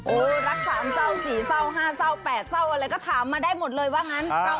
โอ๊ลาก๓เจ้าขี้เศร้าห้าเช้าแปดเช้าอะไรก็ทำมาได้หมดเลยว่างั้นเจ้า